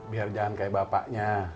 biar jangan kayak bapaknya